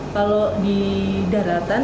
kalau di daratan